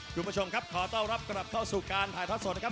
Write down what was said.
คุณผู้ชมครับขอต้อนรับกลับเข้าสู่การถ่ายทอดสดนะครับ